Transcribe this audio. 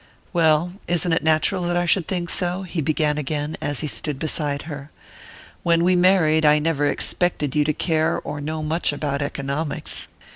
"Well isn't it natural that I should think so?" he began again, as he stood beside her. "When we married I never expected you to care or know much about economics.